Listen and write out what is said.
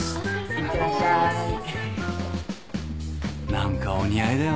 何かお似合いだよな